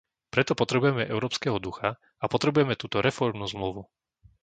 Preto potrebujeme európskeho ducha a potrebujeme túto reformnú zmluvu!